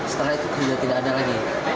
setelah itu sudah tidak ada lagi